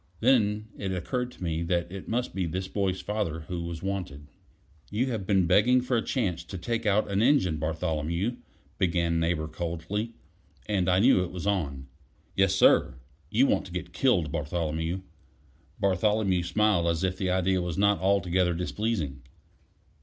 Then it occurred to me that it must be this boy's father who was wanted. "You have been begging for a chance to take out an engine, Bartholomew," began Neighbor coldly; and I knew it was on. "Yes, sir." "You want to get killed, Bartholomew." Bartholomew smiled as if the idea was not altogether displeasing.